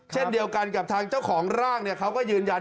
เช่นเดียวกันกับทางเจ้าของร่างเขาก็ยืนยัน